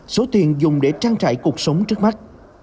số tiền dùng để trang trải cuộc sống trước mắt